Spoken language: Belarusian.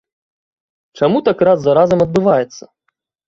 Чаму так раз за разам адбываецца?